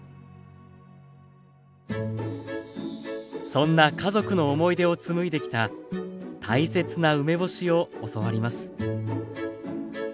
そんな家族の思い出を紡いできた大切な梅干しを教わります。